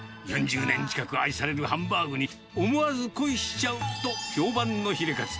４０年近く愛されるハンバーグに、思わず恋しちゃうと評判のヒレカツ。